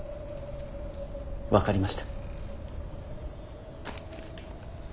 分かりました。